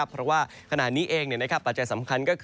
เพราะว่าขณะนี้เองปัจจัยสำคัญก็คือ